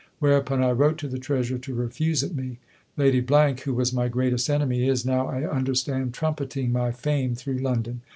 Whereupon I wrote to the Treasurer to refuse it me. Lady , who was my greatest enemy, is now, I understand, trumpeting my fame through London.